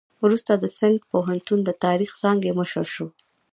وروسته د سند پوهنتون د تاریخ څانګې مشر شو.